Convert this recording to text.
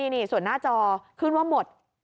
นี่ส่วนหน้าจอขึ้นว่าหมด